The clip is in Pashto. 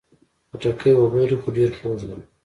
خټکی اوبه لري، خو ډېر خوږه ده.